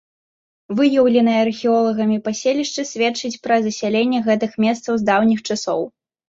Выяўленае археолагамі паселішчы сведчыць пра засяленне гэтых месцаў з даўніх часоў.